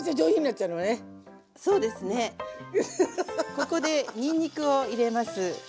ここでにんにくを入れます。